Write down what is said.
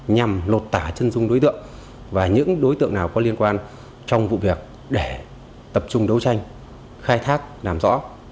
nhằm lột tả chân dung đối tượng và những đối tượng nào có liên quan trong vụ việc để tập trung đấu tranh khai thác làm rõ